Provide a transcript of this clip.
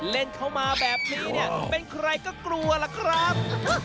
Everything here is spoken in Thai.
เล่นเข้ามาแบบนี้เนี่ยเป็นใครก็กลัวล่ะครับ